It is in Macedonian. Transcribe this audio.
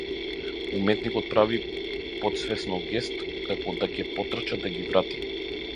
Уметникот прави потсвесно гест како да ќе потрча да ги врати.